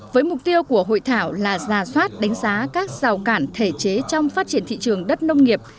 với mục tiêu của hội thảo là ra soát đánh giá các rào cản thể chế trong phát triển thị trường đất nông nghiệp